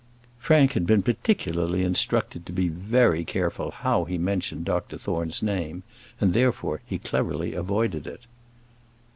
Frank had been particularly instructed to be very careful how he mentioned Dr Thorne's name, and, therefore, cleverly avoided it.